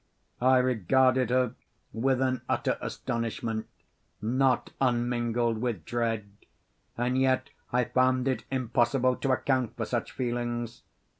I regarded her with an utter astonishment not unmingled with dread—and yet I found it impossible to account for such feelings.